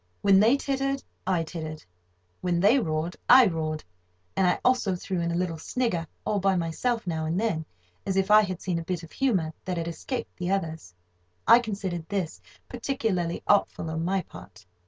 When they tittered, I tittered; when they roared, I roared; and I also threw in a little snigger all by myself now and then, as if I had seen a bit of humour that had escaped the others. I considered this particularly artful on my part.